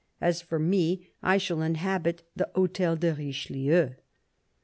As for me, I shall inhabit the Hotel de Richelieu."